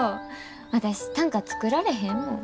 私短歌作られへんもん。